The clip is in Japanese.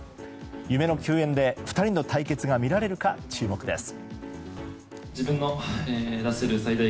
夢の球宴で２人の対決が見られるか注目です。